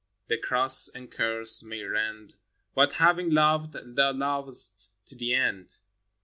The cross and curse may rend; But, having loved, Thou lovest to the end